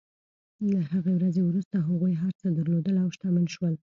له هغې ورځې وروسته هغوی هر څه درلودل او شتمن شول.